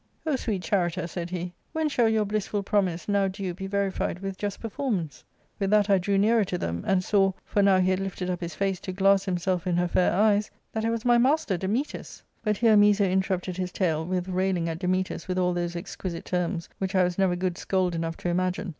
* O sweet Charita,' said he, * when shall your blissful promise, now due, be verified with just performance V With that I drew nearer to them, and saw, for now he had lifted up his face to glass himself in her fair eyes, that it was my master Dametas." But here Miso interrupted his tale with railing at Dametas with all those exquisite terms which I* was never good scold enough to imagine.